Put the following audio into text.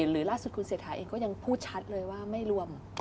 หรือล่าสุดคุณเศรษฐาเองก็ยังพูดชัดเลยว่าไม่รวม